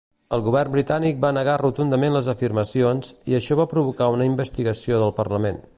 El Govern Britànic va negar rotundament les afirmacions i això va provocar una investigació del Parlament.